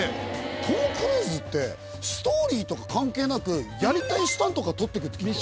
トム・クルーズってストーリーとか関係なくやりたいスタントから撮ってくって聞いたよ。